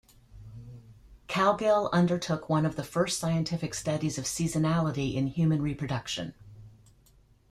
Cowgill undertook one of the first scientific studies of seasonality in human reproduction.